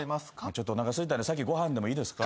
ちょっとおなかすいたんで先ご飯でもいいですか？